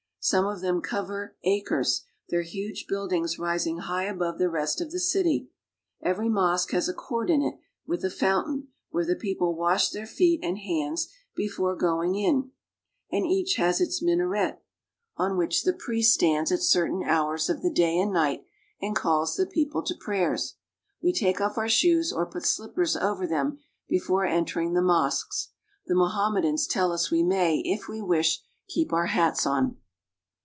Some of them cover acres, their huge buildings rising high above the rest of the city. Every mosque has a court in it with a fountain, where the people wash their feet and hands before going in ; and each has its minaret, on which the I02 AFRICA priest stands at certain hours of the day and night and calls the people to prayers. We take off our shoes or put slippers over them before entering the mosques ; the Mohammedans tell us we may, if wc wish, keep our hats on.